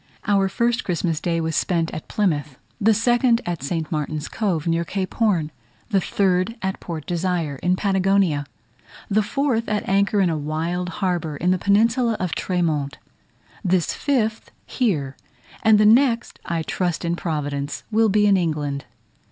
Our first Christmas Day was spent at Plymouth, the second at St. Martin's Cove, near Cape Horn; the third at Port Desire, in Patagonia; the fourth at anchor in a wild harbour in the peninsula of Tres Montes, this fifth here, and the next, I trust in Providence, will be in England.